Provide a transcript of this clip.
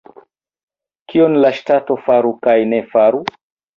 Kion la ŝtato faru kaj ne faru?